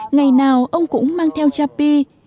ngày nào ông cũng mang theo chapi